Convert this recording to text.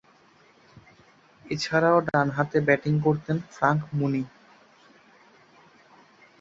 এছাড়াও, ডানহাতে ব্যাটিং করতেন ফ্রাঙ্ক মুনি।